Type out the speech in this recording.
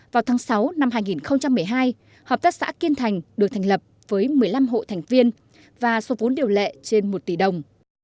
vào tháng sáu năm hai nghìn một mươi hai hợp tác xã kiên thành được thành lập với một mươi năm hộ thành viên và số vốn điều lệ trên một tỷ đồng